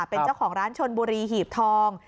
เป็นเจ้าของร้านชนบุรีหีบทอง